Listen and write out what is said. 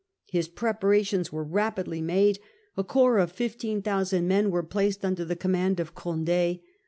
His preparations were rapidly made. A corps of 15,000 men was placed under the command of Condd.